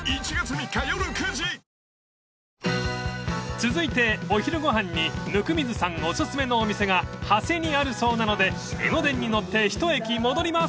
［続いてお昼ご飯に温水さんお薦めのお店が長谷にあるそうなので江ノ電に乗って一駅戻ります］